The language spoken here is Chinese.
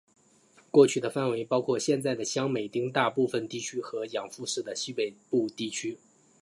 过去的范围包括现在的香美町大部分地区和养父市的西北部地区。